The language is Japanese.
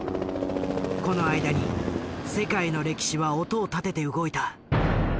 この間に世界の歴史は音を立てて動いた。